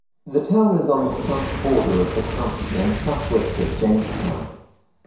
The town is on the south border of the county and southwest of Jamestown.